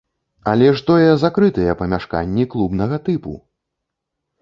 Але ж тое закрытыя памяшканні клубнага тыпу!